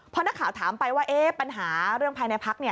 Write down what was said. พอนักข่าวถามไปว่าปัญหาเรื่องภายในพัก